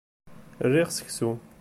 Riɣ seksu.